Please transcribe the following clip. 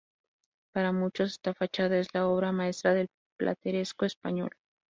Para muchos, esta fachada es la obra maestra del plateresco español.